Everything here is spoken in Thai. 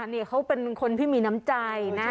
นี่เขาเป็นคนที่มีน้ำใจนะ